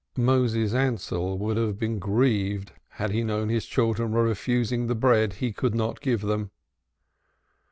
Moses Ansell would have been grieved had he known his children were refusing the bread he could not give them.